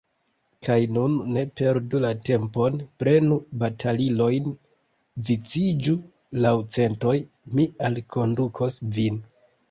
Kaj nun ne perdu la tempon, prenu batalilojn, viciĝu laŭ centoj, mi alkondukos vin!